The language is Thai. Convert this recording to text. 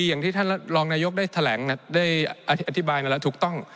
อย่างที่ท่านรองนายกได้แถลงได้อธิบายมาแล้วถูกต้อง